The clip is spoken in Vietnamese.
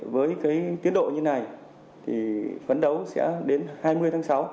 với tiến độ như này thì phấn đấu sẽ đến hai mươi tháng sáu